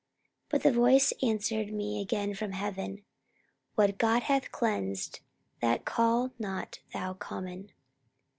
44:011:009 But the voice answered me again from heaven, What God hath cleansed, that call not thou common.